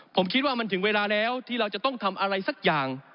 ผมคิดว่ามันถึงเวลาแล้วที่เราจะต้องทำอะไรสักอย่าง